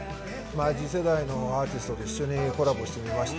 次世代のアーティストと一緒にコラボしてみました。